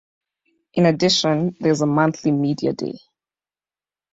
In addition, there is a monthly Media day.